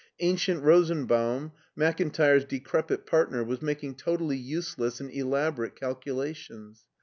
Ancient Rosenbatun, Mak intire's decrepit partner, was making totally useless and elaborate calculations.